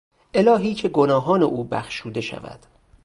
الهی که گناهان او بخشوده شود!